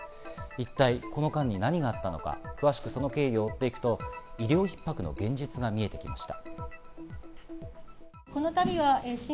一体、この間に何があったのか詳しくその経緯を追っていくと医療逼迫の現実が見えてきました。